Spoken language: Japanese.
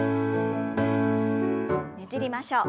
ねじりましょう。